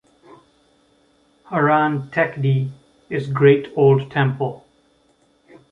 "Haran Tekdi" is great old temple.